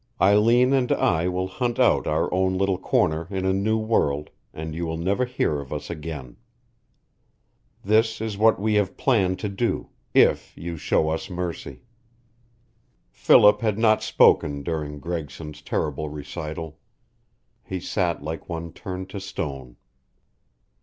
Eileen and I will hunt out our own little corner in a new world, and you will never hear of us again. This is what we have planned to do, if you show us mercy." Philip had not spoken during Gregson's terrible recital. He sat like one turned to stone.